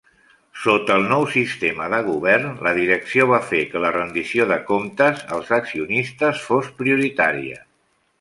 Sota el nou sistema de govern, la direcció va fer que la rendició de comptes als accionistes fos prioritària.